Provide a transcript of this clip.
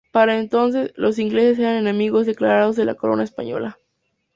Para entonces, los ingleses eran enemigos declarados de la Corona Española.